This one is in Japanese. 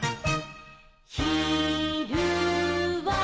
「ひるは」